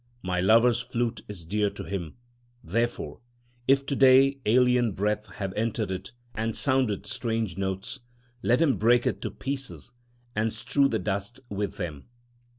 My lover's flute is dear to him. Therefore, if to day alien breath have entered it and sounded strange notes, Let him break it to pieces and strew the dust with them.